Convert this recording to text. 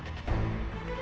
saya pengen polem